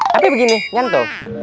tapi begini ngerti tuh